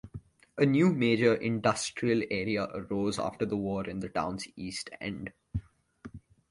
A new major industrial area arose after the war in the town's east end.